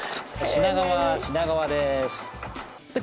品川品川ですで